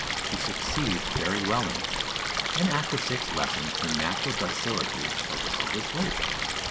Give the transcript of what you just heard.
She succeeds very well in it, and after six lessons her natural docility arouses hope.